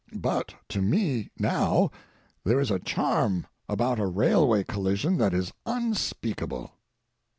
But to me now there is a charm about a railway collision that is unspeakable.